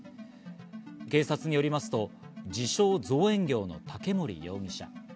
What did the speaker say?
警察によりますと、自称造園業の竹森容疑者。